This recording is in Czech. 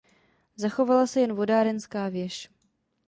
Zachovala se jen vodárenská věž.